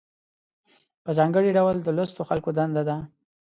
په ځانګړي ډول د لوستو خلکو دنده ده.